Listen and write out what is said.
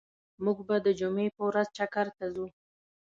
موږ به د جمعی په ورځ چکر ته ځو